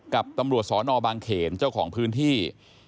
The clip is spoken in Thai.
กับตำรวจสอนอบางเขนเจ้าของพื้นที่